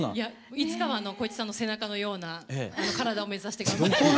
いつかは光一さんの背中のような体を目指して頑張りたいです。